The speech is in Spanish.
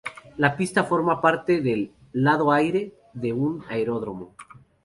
La pista forma parte del "lado aire" de un aeródromo.